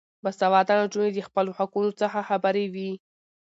باسواده نجونې د خپلو حقونو څخه خبرې وي.